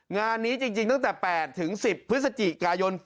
งานนี้จริงตั้งแต่๘๑๐พฤศจิกายน